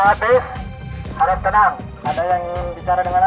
saudara hafiz harap tenang ada yang ingin bicara dengan anda